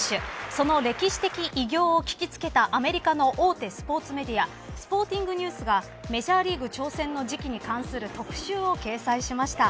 その歴史的偉業を聞きつけたアメリカの大手スポーツメディアスポーティングニュースがメジャーリーグ挑戦の時期に関する特集を掲載しました。